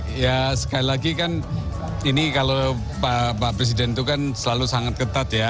ya sekali lagi kan ini kalau pak presiden itu kan selalu sangat ketat ya